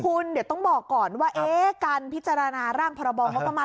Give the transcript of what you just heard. คุณเดี๋ยวต้องบอกก่อนว่าการพิจารณาร่างพรบองงบประมาณ